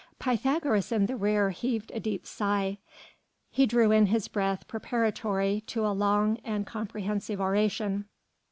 Pythagoras in the rear heaved a deep sigh; he drew in his breath preparatory to a long and comprehensive oration.